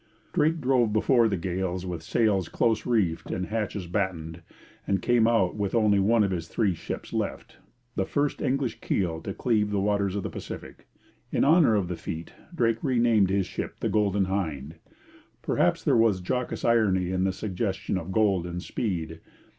Drake drove before the gales with sails close reefed and hatches battened, and came out with only one of his three ships left, the first English keel to cleave the waters of the Pacific. In honour of the feat Drake renamed his ship the Golden Hind. Perhaps there was jocose irony in the suggestion of gold and speed.